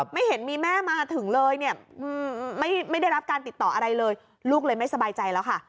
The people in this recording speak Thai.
ไม่เห็นมีแม่มาถึงเลยเนี่ยไม่ได้รับการติดต่ออะไรเลยลูกเลยไม่สบายใจแล้วค่ะ